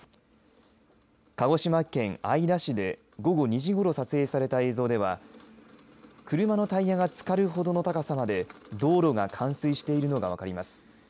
鹿児島県姶良市で午後２時ごろ撮影された映像では車のタイヤがつかるほどの高さまで道路が冠水しているのが分かります。